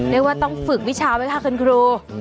เรียกว่าต้องฝึกวิชาไว้ค่ะคุณครู